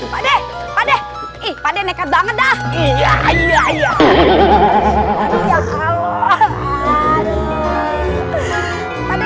hai hai hai pade pade pade nekat banget dah iya iya iya iya iya kalau